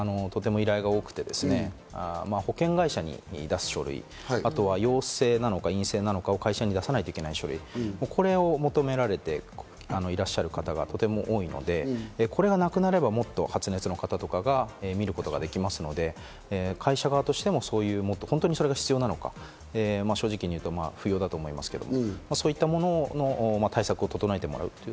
これもとても依頼が多くて、保険会社に出す書類、あとは陽性なのか陰性なのかを会社に出さなきゃいけない書類、これを求められて、いらっしゃる方がとても多いので、これがなくなれば、もっと発熱の方を診ることができますので、会社としても本当にそれが必要なのか、正直に言うと不要だと思いますけど。